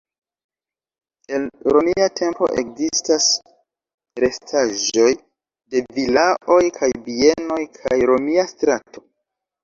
El romia tempo ekzistas restaĵoj de vilaoj kaj bienoj kaj romia strato.